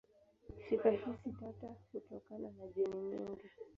Sifa hizi tata hutokana na jeni nyingi.